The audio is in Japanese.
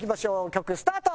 曲スタート！